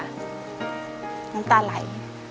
น้ำตาไหล